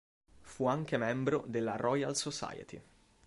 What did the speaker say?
Fu anche membro della Royal Society.